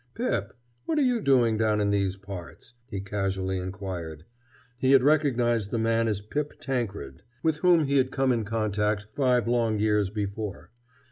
"Pip, what're you doing down in these parts?" he casually inquired. He had recognized the man as Pip Tankred, with whom he had come in contact five long years before.